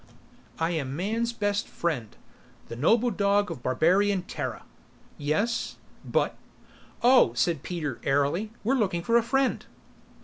"I am man's best friend the noble dog of Barbarian Terra." "Yes ... but " "Oh," said Peter airily, "we're looking for a friend."